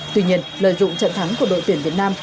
tuy nhiên lợi dụng trận thắng của đội tuyển việt nam